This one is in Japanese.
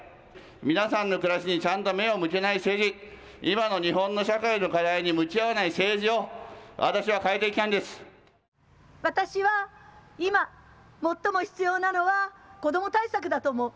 皆さんの暮らしにちゃんと目を向けない政治、今の日本の社会の課題に向き合わない政治を私は今、最も必要なのは子ども対策だと思う。